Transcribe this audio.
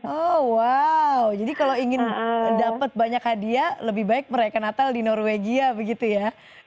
oh wow jadi kalau ingin dapat banyak hadiah lebih baik merayakan natal di norwegia begitu ya